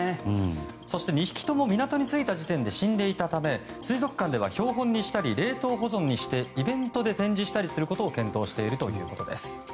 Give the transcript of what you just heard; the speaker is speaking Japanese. そして２匹とも港に着いていた時点で死んでいたため水族館では標本にしたり冷凍保存してイベントで展示したりすることを検討しているということです。